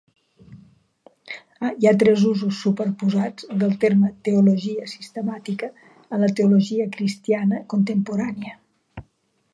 Hi ha tres usos superposats del terme "teologia sistemàtica" en la teologia cristiana contemporània.